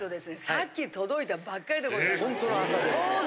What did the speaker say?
さっき届いたばっかりでございます。